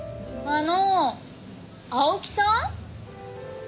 あの青木さん？